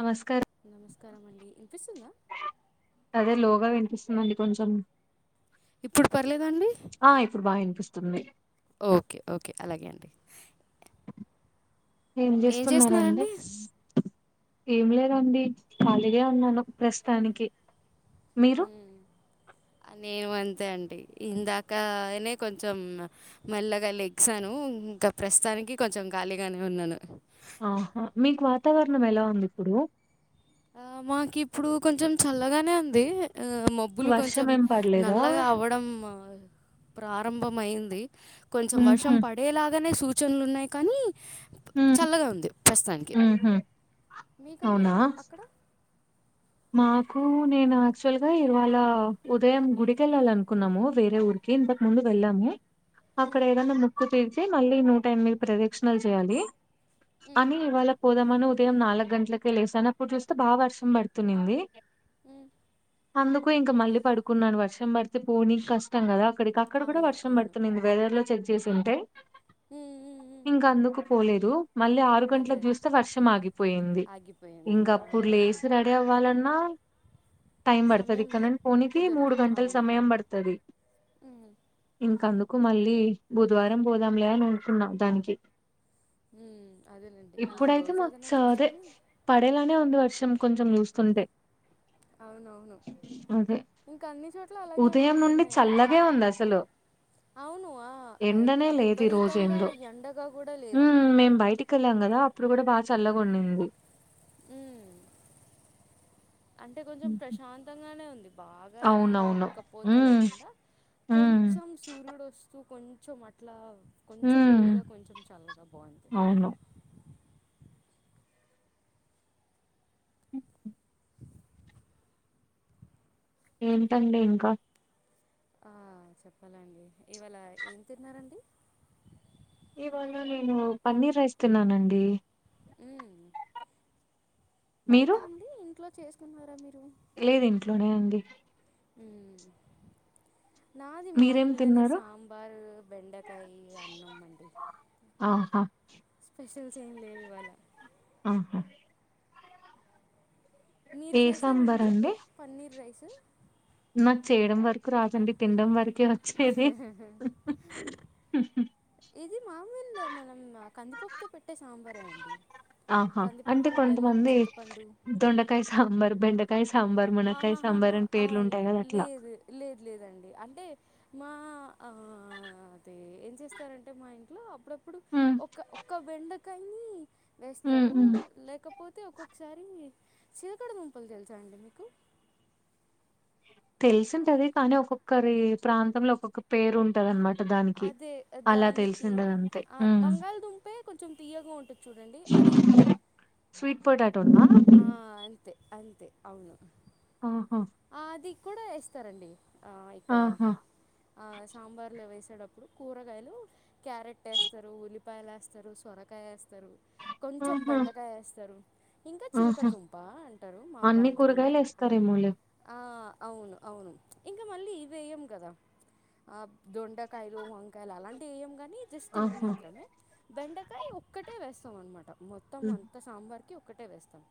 నమస్కారం నమస్కారం అండి వినిపిస్తుందా గా వినిపిస్తుందండి కొంచెం ఇప్పుడు పర్లేదా అండి ఆ ఇప్పుడు బాగా వినిపిస్తుంది ఓకే ఓకే అలాగే అండి ఏం చేస్తున్నారండి ఏం లేదండి ఖాళీగా ఉన్నాను ప్రస్తుతానికి మీరు నేను అంతే అండి ఇందాకనే కొంచెం మెల్లగా లెగ్సాను ఇంకా ప్రస్తుతానికి కొంచెం ఖాళీగానే ఉన్నాను ఆహా మీకు వాతావరణం ఎలా ఉంది ఇప్పుడు ఆ మాకి ఇప్పుడు కొంచెం చల్లగానే ఉంది మబ్బులు వర్షం కొంచెం ఏం పడలేదా నల్లగా అవ్వడం ప్రారంభంమైంది కొంచెం వర్షం ఉహు పడేలాగానే సూచనలు ఉన్నాయి కానీ ఉమ్ చల్లగా ఉంది ప్రస్తుతానికి ఉహు మీకండి అవునా ఇలా అక్కడ మాకు నేను యాక్చువల్ గా ఇవాళ ఉదయం గుడికెళ్ళాల అనుకున్నాము వేరే ఊరికి ఇంతక ముందు వెళ్ము అక్కడ ఉమ్, ఏదన్నా ముక్కు తీరిచి మళ్ళీ నూట ఎనిమిది ప్రదక్షిణలు చేయాలి ఉమ్, అని ఇవాళ పోదామని ఉదయం నాలుగు గంటలకే లేసాను అప్పుడు చూస్తే బా వర్షం పడుతుంది తునింది హ్మ్ అందుకు ఇంకా మళ్ళీ పడుకున్నాను వర్షం పడితే పోనీ కష్టం కదా అక్కడికి అక్కడ కూడా అవును వర్షం అవును పడుతు వెదర్ లో చెక్ చేసి ఉంటే ఉమ్ ఉమ్ ఉమ్ ఇంకా అందుకు పోలేదు మళ్ళీ ఆరు అదే గంటలకు చూస్తే వర్షం ఆగిపోయింది ఆగిపోయింది ఆ ఇంకప్పుడు లేసి కాలన్నా టైం పడతది సమయం ఇక్కదండి పోనీనికి మూడు కుదరదు గంటల అవును సమయం పడతది ఉమ్ ఇంకా అందుకు మళ్ళీ బుధవారం పోదాంలే అని ఊరుకున్నా దానికి ఉమ్ అదేలేండి ఇంకో ఇప్పుడైతే రోజు మ ఏదైనా చ అదే చూసుకుని పడేలానే ఉంది వర్షం కొంచెం చూస్తుంటే అవునవును అదే ఇంకా అన్ని చోట ఉదయం నుండి చల్లగే ఉంది అసలు అవును ఎండనే ఆ లేదు ఈ రోజు విపరీతంగా ఏందో ఎండగా కూడా లేదు హ్మ్ మేం బయటికి వెళ్ళాం కదా అప్పుడు కూడా బాగా చల్లగొన్నింది మ్మ్ అంటే కొంచెం ఉహు ప్రశాంతంగానే ఉంది బాగా ఎండ అవునవును ఉక్కపోత హ్మ్ లేకుండా హ్మ్ కొంచెం సూర్యుడు వస్తు సో కొంచెం అట్లా కొంచెం హ్మ్ వేడిగా కొంచెం చల్లగా బాగుంది అవును అ ఏంటండి ఇంకా ఆ చెప్పాలండి ఇవాళ ఏం తిన్నారండి ఇవాళ నేను పన్నీర్ రైస్ తిన్నానండి హ్మ బయట మీరు అండి ఇంట్లో చేసుకున్నారా మీరు లేదు ఇంట్లోనే అండి హ్మ్ నాది మీరేం మామూలుగానే తిన్నారు సాంబారు బెండకాయ అన్నంమండి ఆహా చేయన్లేవు ఇవాళ ఆహా మీరు ఏ చేసారా సాంబార్ అండి పన్నీర్ రైస్ నాకు చేయడం వరకు రాదండి తినడం వరకు వచ్చది ఇది మామూలు మనం కందిపప్పుతో పెట్టే సాంబారే అండి ఆహా అంటే కందిపప్పు బెల్లం కొంతమంది చింతపండు దొండకాయ సాంబార్ బెండక్. ఆహాహాహా ఆ ఉంటాయి కదా అట్లా లేదు లేదు లేదండి అంటే. మా అది ఏం చేస్తారంటే మా ఇంట్లో అప్పుడ. ఇప్పుడు ఉమ్ ఒక ఒక్క బెండకాయని ఉమ్ వేస్తారు ఉమ్ లేకపోతే ఒక్క. ఒకసారి చీలకడ దంపలు తెలుసా అండి మీకు. తెలిసుంటది కానీ ఒక్కొక్కరి ప్రాంతంలో ఒక్కొక్క పేరు ఉంటది అనమాట. దానికి అదే అలా దానికి తెలిసిండదు అంతే ఆ బంగాళ దుంపే కొంచెం తీయగా ఉంటుంది. చూడండి అది. స్టేట్ పొటాటో నా. ఆ! అంతే. అంతే అవును‌. ఆహా. కూడా వేస్తారండి ఇక్కడ ఆహా సాంబార్లు వేస్త. వచ్చేప్పుడు కూరగాయలు క్యారెట్ వేస్తారు ఉల్లిపాయలు వేస్తారు సొరకాయ వేస్తారు. కొంచెం ఆహా బెండకాయ వేస్తారు. ఇంకా ఆహా చిలకడదుంప అంటారు మా అన్ని ప్రాంతంలో. కూరగాయలు వేస్తారేమోలే ఆ అవును అవును ఇంకా మళ్ళీ ఇవేయంము కదా. ఆ దొండకాయలు వంకాయలు అలాంటివి ఏం కానీ. అ జస్ట్ ఇవి ఆహా మాత్రమే బెండకాయ ఒక్కటే వేస్తాం అన్నమాట మొత్తం ఉమ్. అంత సాంబార్కి‌ ఒక్కటే వేస్తాం.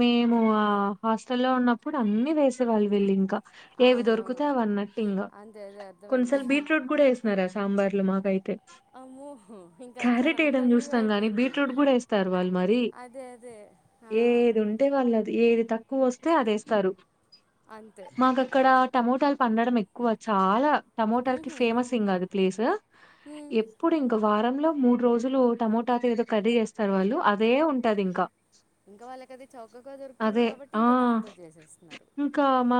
మేము ఆ హాస్టల్ లో ఉన్నప్పుడు అన్ని వేసే వాళ్ళు వీళ్ళు ఇంకా. ఏవి దొరుకుత అవునవును అవన్నట్టు ఇంకా అంతే అదే కొంచసలు అర్థమైంది బీట్రూట్ కూడా వేస్తున్నారా సాంబార్. ఇట్ల మాక్ అయితే. అమ్మో ఇంకంతా రంగురంగుగా చూస్తాం గాని అయిపోయిద్ది బీట్రూట్ కూడా వేస్తారు వాళ్ళు మరి అదే అదే. ఆ. అంటే వాళ్ళది ఏది తక్కువ వస్తే అది వేస్తారు అంతే మాకక్కడ. టమోటాలు పందడం ఎక్కువ చాలా. టమోటాకి ఉహుం, ఫేమస్ ఇంకా అది ప్లేస్ ఉమ్. ఎప్పుడు ఇంక. వారంలో మూడు రోజులు టమోటాతో ఏదో కర్రీ చేస్తారు వాళ్ళు అదే ఉంటది ఇంకా. ఇంకా వాళ్ళకి అది చౌకగా దొరుకుతుంది అదే కాబట్టి ఆ ఇంకా దాంతో చేసేస్తున్నారు. ఇంకా మా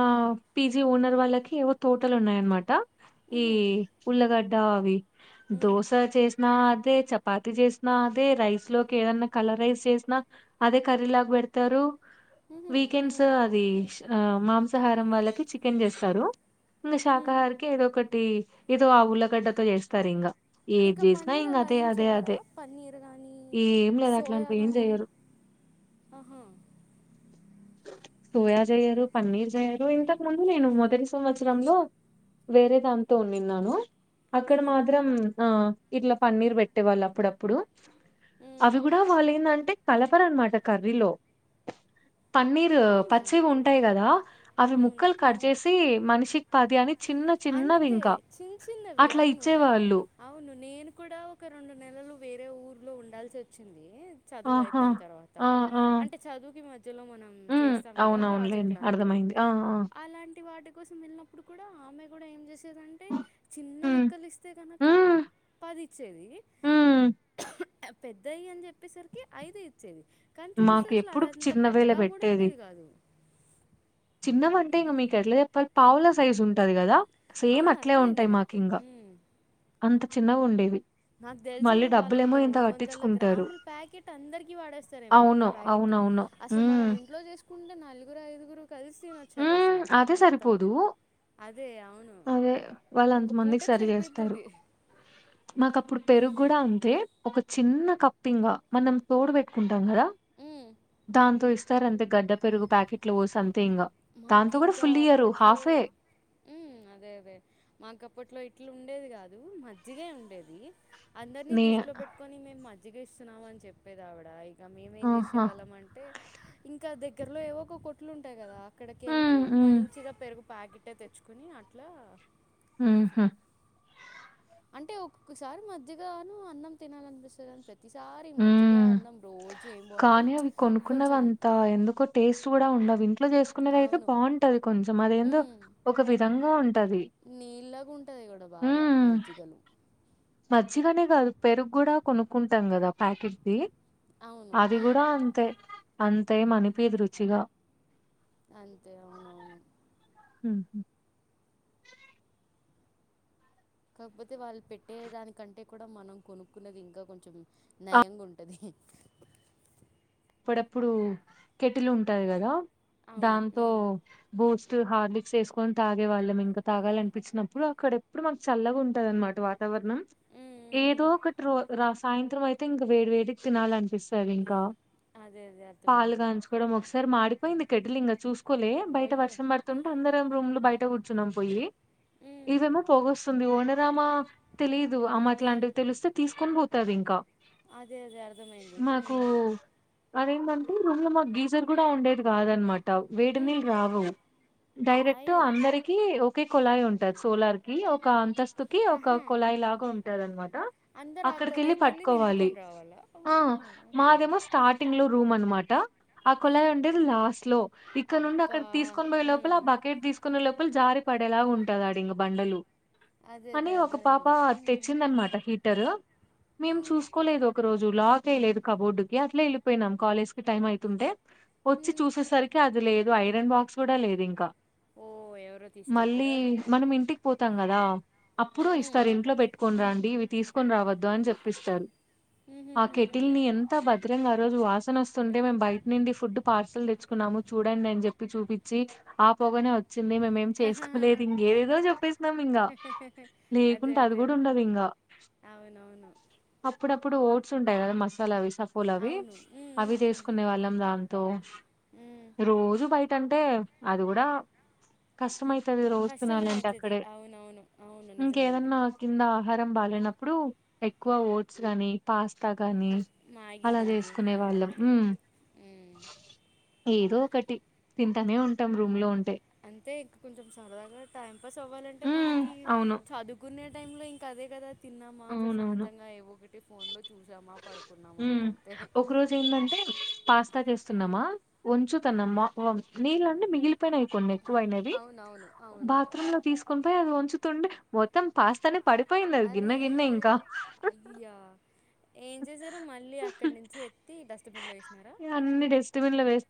పిజీ ఓనర్ వాళ్ళకి ఏవో తోటలు ఉన్నాయనమాట ఈ ఉహుం, ఉల్లగడ్. డ ఉమ్, దోసా చేసినా. అదే చపాతి చేసిన అదే రైస్ లోకి ఏదన్నా కలర్ రైస్ చేసినా అదే కర్రీ లాగా పెడత. చెతారు ఉహుం, వీకెండ్స్ ఉమ్, అది మాంసాహారం వాళ్ళకి చికెన్ చేస్తారు. ఇంకా ఉమ్. శాకాహారికి ఏదో ఒకటి ఏదో ఆ ఉల్లగడ్డ తో చేస్తారు ఇంకా. ఏది ఇంకా చేసినా పన్నీర్ ఇంక అలా అదే ఏం అదే చేయాలా అదే పన్నీర్ కానీ ఏం లేదు సోయా అట్లాంటివి ఏం కానీ. చెయ్యరు ఆహా. సోయా చేయరు పన్నీర్ చేయరు ఇంతకు ముందు నేను మొదటి సంవత్సరంలో. వేరే దాంతో ఉన్నాను. అక్కడ ఉహుం, మాత్రం ఆ ఇట్లా పన్నీర్ పెట్టే వాళ్ళు అప్పుడప్పుడు. ఉమ్. అవి కూడా వాళ్ళు ఏందంటే కలపరనమాట కర్రీలో. పన్నీర్ అవును పచ్చివి ఉంటాయి కదా అవి అవును ముక్కలు కట్ ఉమ్, చేసి మనిషికి పాది అని. చిన్న చిన్నది అంతే ఇంకా చిన్న చిన్నవి అట్లా అవును ఇచ్చే వాళ్ళు. అవును నేను కూడా ఒక రెండు నెలలు వేరే ఊర్లో ఉండాల్సి వచ్చింది. చదువు ఆహా అయిపోయిన తర్వాత ఆ ఆ అంటే చదువుకి మధ్యలో మనం ఉమ్ చేస్తాం కదా ప్రాజెక్ట్ అవునవునులేండి లాంటివి. అర్థమైంది ఆ ఆ అలాంటి వాటి కోసం వెళ్ళినప్పుడు కూడా ఆమె. లేదంటే చిన్న ఉమ్ ముక్కలు ఇస్తే గనక ఉమ్ పాది ఇచ్చేది. ఉమ్ పెద్దయ్యి అని చెప్పేసరికి ఐదె ఇచ్చేది. కానీ చూస్తే మాకు అసలు ఎప్పుడు అదంత చిన్నవేలే పెద్దగా కూడా ఉండేది కాదు. చిన్నవి అంటే ఇంగా మీకు ఎట్లా చెప్పాలి పావుల సైజు ఉంటది కదా సేమ్ అవును అట్లే అర్థమైంది ఉంటాయి మాకు నాకు ఇంగా మ్మ్. అంత చిన్నగా ఉండేవి నాకు తెలిసి మళ్ళీ వాళ్ళు డబ్బులేమో ఒక ఇంత రెండు వందల కట్టించుకుంటారు గ్రాముల ప్యాకెట్ అందరికి వాడేస్తారేమో అవును ఒక్క ప్యాకెట్ అవునవును అసలు మనం ఉమ్, ఇంట్లో చేసుకుంటే నలుగురు ఐదుగురు కలిసి వచ్చారు ఉమ్, అసలు అదే మొత్తం సరిపోదు అదే అవును అదే వాళ్ళు ఒక అంతమందికి పూటకు సరి చేస్తారు సరిపోయితది మాకు అప్పుడు పెరుగు కూడా అంతే ఒక చిన్న కప్పింగా మనం తోడు పెట్టుకుంటాం కదా అది దాంతో ఇస్తార అంతే గడ్డ పెరుగు ప్యాకెట్లు ఓసి మాకు ఇంకా అప్పట్లో హాఫే అదే అదే మాకు అప్పట్లో ఇట్లా ఉండేది కాదు మజ్జిగ ఉండేది అందరిని నే దృష్టిలో పెట్టుకొని మేం మ మజ్జికిస్తున్నాం అని చెప్పేది ఆవిడ ఇక మేమేం ఆహా చేసేవాళ్ళం అంటే ఇంకా దగ్గ ఇక్కడలో ఏవో ఒక కొట్లు ఉంటాయి కదా అక్కడికెళ్ళి ఉమ్, ఉమ్, మంచిగా పెరుగు ప్యాకిటే తెచ్చుకుని అట్లా ఉహా అంటే ఒక్కొక్కసారి మజ్జిగాను అన్నం తినాలనిపిస్తది కాని ప్రతిసారి మజ్జిగా హ్మ్. అన్నం రోజు ఏం కానీ బాగుంటుంది అవి కొనుక్కున్నవి కొంచెం అంత ఎందుకో టేస్ట్ కూడా ఉండవి ఇట్లో చేసుకున్నది అయితే అవును బాగుంటది కొంచెం అదేందో ఒక విధంగా ఉంటది నీళ్లాగా ఉంటది కూడా బాగా మజ్జిగలు మజ్జిగ అనే కాదు పెరుగు కూడా కొనుక్కుంటాం కదా ప్యాకెట్ది అవును అది ఉమ్ కూడా అంతే అంతే ఏం అనిపియదు రుచిగా అంతే అవునవును ఉహు కాకపోతే వాళ్ళు పెట్టే దానికంటే కూడా మనం కొనుక్కున్నది ఇంకా కొంచెం నయంగా ఉంటది [inaudible] [inaudible] అప్పుడప్పుడు కెటిలు ఉంటాది కదా అవును దాంతో ఉమ్ బూస్ హార్లిక్స్ వేసుకొని తాగే వాళ్ళం ఇంకా తాగాలనిపించినప్పుడు అక్కడెప్పుడు మాకు చల్లగా ఉంటది అన్నమాట వా ఉమ్ ఉమ్ ఏదో ఉమ్ ఒకటి రో రసా యత్రం అయితే ఇంకా వేడి వేడికి తినాలనిపిస్తది ఇంకా అదే అదే అర్థమైంది పాలుగాంచుకోవడం ఒకసారి మాడిపోయింది కెటిల్ ఇంకా చూసు లే బయట అయ్యో వర్షం పడుతుంటే అందరం రూమ్ లో బయట కూర్చున్నాం పోయి ఉమ్ ఇదేమో పొగ వస్తుంది ఓనర్ దామా తెలీదు అమ అట్లాంటివి తెలిస్తే తీసుకొని పోతాది ఇంకా అదే అదే అర్థమైంది మాకు అదేంటంటే రూమ్ లో మాకు గీజర్ కూడా ఉండేది కాదు అన్నమాట వేడి ఉమ్ నీళ్లు రావు డైరెక్ట్ అయ్యో అందరికి ఒకే కొళాయి ఉంటది సోలార్ కి ఒక అంతస్తుకి ఒక కొళాయి లాగా ఉంటది అన్నమాట అందరూ ఆ కొలాయికి వెళ్ళి నింపుకొని రావాలా ఆ ఓకే మాదేమో స్టార్టింగ్ లో రూమ్ అన్నమాట ఆ కుళాయి ఉండేది లాస్ట్ లో ఇక్కడ నుండి అబ్బా అక్కడ తీసుకొని పోయే లోపల ఉమ్ ఆ బకెట్ తీసుకునే లోపల జారి పడేలా ఉంటది ఆడిఇంగా బండలు అదే అదే అని ఒక పాప అర్థమైంది ఉమ్ తెచ్చిందన్నమాట హీటరు మేము ఉమ్ చూసుకోలేదు ఒక రోజు లాక్ లేదు కబోర్డు కి అట్లే వెళ్ళిపోయినాం కాలేజ్ కి టైం అవుతుంటే వచ్చి ఉమ్ చూసేసరికి అది లేదు ఐరన్ బాక్స్ కూడా లేదు ఇంకా ఓ ఎవరో మళ్లీ తీసుకెళ్ళిపోయారా మనం ఇంటికి పో కదా అప్పుడు హ్మ్ ఇస్తారు ఇంట్లో పెట్టుకొని రండి ఇవి తీసుకొని రావద్దు అని చెప్పిస్తారు ఆ హుహుహుహు. కేటిల్నీ ఎన్ ఇద్దరం ఇంగ ఆ రోజు వాసన వస్తుంటే మేము బయట నుండి ఫుడ్ పార్సల్ తెచ్చుకున్నాము చూడండి అని చెప్పి చూపించి ఆ భోవనే మేమేం చేసుకోలేదు ఇంకేదో చెప్పేసినాం ఇంకా అదే లేకుంటే అది అదే కూడా ఉండదు ఇంగా [inaudible] అవునవును అప్పుడప్పుడు ఓట్స్ ఉంటాయి కదా మసాలా విస్ సఫోల్ అవి అవును. హ్మ్. అవి హ్మ్. చేసుకునే వాళ్ళం దాంతో హ్మ్. హ్మ్. రోజు బయట్ టంటే అది కూడా కష్టమై తది రోజు కష్టమే తినాలంటే అయితది. అక్కడే అవునవును. అవును నిజమండి. ఇంకేదన్నా కింద ఆహారం బాలేనప్పుడు ఎక్కువ ఓట్స్ గానీ పాస్తా గాని మాగి అలా చేసుకునే ఆ వాళ్ళం అంతే ఉమ్ ఊ ఏదో ఒకటి తింటనే ఉంటాం రూమ్ లో ఉంటే అంతే ఇంకా కొంచెం సరదాగా టైం పాస్ అవ్వాలంటే ఉమ్ మనకి అవును చదువుకునే టైమ్ లో ఇంకా అదే కదా తిన్నామా అవునవును ప్రశాంతంగా ఏవో ఒకటి ఫోన్ లో చూసామా ఊ పడుకున్నామా ఇంకంతే. ఒక రోజు ఏంటంటే పాస్తా చేస్తున్నామా ఉంచుతనం మ వా నీళ్లన్ని మిగిలిపోయినయి క్కువైనవి అవునవును. అవును. బాత్రూమ్ లో తీసుకుొని పోయి అది ఒంచుతుండే మొత్తం పాస్తానే పడిపోయింది అది అరే గిన్నె గిన్నె ఇంకా అయ్యా ఏం చేసారు మళ్ళీ అక్కడి నుంచి ఎత్తి డస్ట్బిన్ లో వేసినారా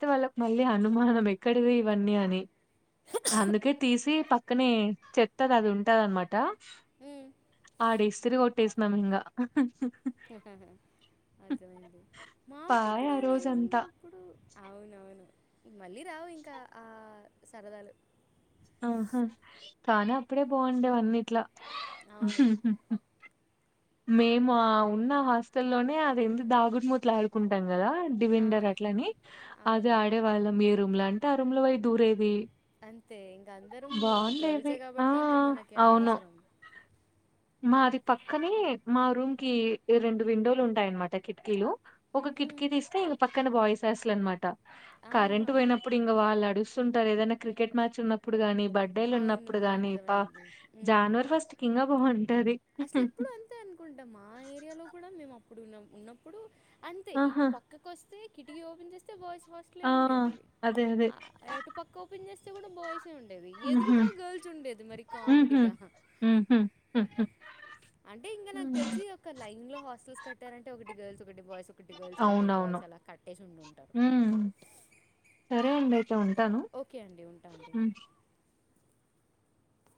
తు వాళ్ళకి మళ్ళీ అనుమానం ఎక్కడిది ఇవన్నీ అని అందుకే తీసి ప అక్కనే చెత్తది అది ఉంటంది అనమాట ఉమ్. ఆడేస్ సిరిగుట్టేసినమింగా ఆహా అర్థమైంది మాకు పాయే కూడా ఆ నేను రోజంతా ఉన్నప్పుడు అవునవును మళ్ళీ రావు ఇంకా ఆ సరదాలు ఆహా చాన అప్పుడే బాగుండేవన్నిట్లా అవును మేమ ఉన్న హాస్టల్లోనే అది ఏంది దాగుడుమూతలు ఆడుకుంటాం కదా ఆ, డివిండర్ అట్లని అది అవును ఆడే వాళ్ళం మీ రూమ్ లో అంటే ఆ రూమ్ ల ఒయి దూరేది అంతే ఇంకా అందరం బాగుండేవి. గల్సే ఆ కాబట్టి ఇంకా మనకి అవును. అనవసరం మాది పక్కనే మా రూమ్ కి రెండు విండోలు ఉంటాయన్నమాట కిటికీలు ఒక ఉమ్, కిటికీటి తీస్తే ఇగ పక్కన బాయ్స్ హాస్టల్ అనమాట కరెంట్ ఆహాహా. పోయినప్పుడు ఇంకా వాళ్ళు అడుస్తుంటారు ఏదైనా క్రికెట్ మ్యాచ్ ఉన్నప్పుడు కానీ బర్త్డేలు ఉన్నప్పుడు అవునవును గాని ఇ పా అర్థమైంది ఉమ్, జానవర్ ఫస్ట్ కింగా బాగుండి అసలు ఎప్పుడు అంతే అనుకుంట మా ఏరియాలో కూడా మేము అప్పుడున్నం ఉన్నప్పుడు అంతే ఇటు ఆహా పక్కకు వస్తే కిటికీ ఓపెన్ చేస్తే బాయ్స్ హోస్టల్ ఏ ఆ ఉండేది అదే అదే ఆ అటు పక్క ఓపెన్ చేస్ ఉండేది ఉహు ఎదురుగా గర్ల్స్ ఉండేది మరి ఉహు కామెడీగా ఉహు ఉహు అంటే ఇంకా నాకు ఉమ్, తెలిసి ఒక లైన్ లో హాస్టల్స్ కట్టారంటే ఒకటి గర్ల్స్ ఒకటి బాయ్స్ ఒకటి గర్ల్స్ ఒకటి అవునవును బాయ్స్ అలా కట్టేసి ఉండు ఉంటారు సొంతన ఓకే అండి ఉంటా అండి ఉ